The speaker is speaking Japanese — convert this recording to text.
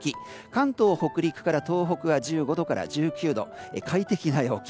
関東北陸から東北は１５度から１９度快適な陽気。